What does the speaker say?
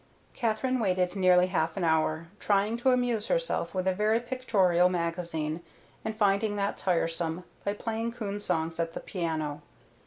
Katherine waited nearly half an hour, trying to amuse herself with a very pictorial magazine, and, finding that tiresome, by playing coon songs at the piano.